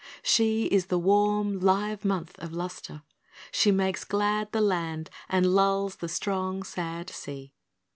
She is the warm, live month of lustre she Makes glad the land and lulls the strong, sad sea.